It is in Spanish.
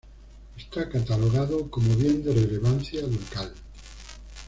Está catalogado como Bien de Relevancia Local.